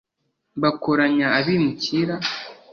bakoranya abimukira